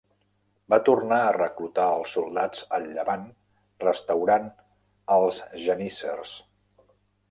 Va tornar a reclutar els soldats al Llevant restaurant els geníssers.